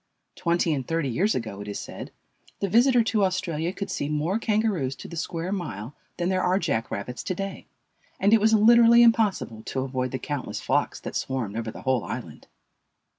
Twenty and thirty years ago, it is said, the visitor to Australia could see more Kangaroos to the square mile than there are jack rabbits to day, and it was literally impossible to avoid the countless flocks that swarmed over the whole island.